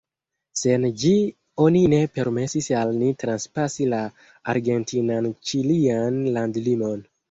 Sen ĝi oni ne permesis al ni transpasi la argentinan-ĉilian landlimon.